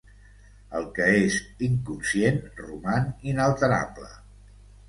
El que és inconscient roman inalterable.